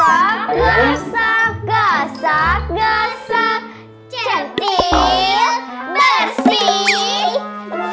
aduh aduh aduh aduh aduh